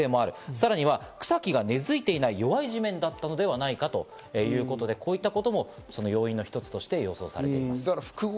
さらには草木が根づいていない弱い地面だったのではないかということで、こういったことも要因の一つとして予想されています。